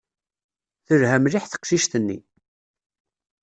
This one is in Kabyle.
Telha mliḥ teqcict-nni.